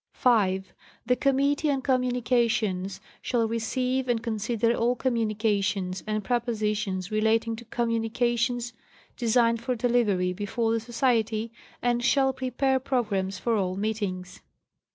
5.—The Committee on Communications shall receive and con sider all communications, and propositions relating to communi cations, designed for delivery before the Society, and shall pre _ pare programmes for all meetings.